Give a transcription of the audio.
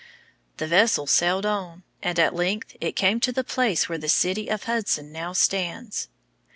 The vessel sailed on, and at length it came to the place where the city of Hudson now stands.